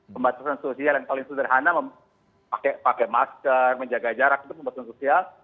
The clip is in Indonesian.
pembatasan sosial yang paling sederhana pakai masker menjaga jarak itu pembatasan sosial